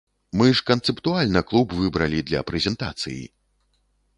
Мы ж канцэптуальна клуб выбралі для прэзентацыі!